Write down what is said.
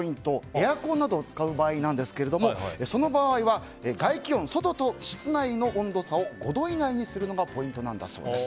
エアコンなどを使う場合ですがその場合は、外気温外と室内の温度差を５度以内にするのがポイントなんだそうです。